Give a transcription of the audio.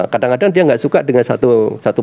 kadang kadang dia nggak suka dengan satu